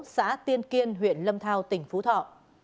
xã tiên kiên huyện lâm thao tỉnh phú thọ